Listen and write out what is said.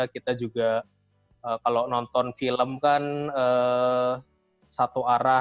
kita juga kalau nonton film kan satu arah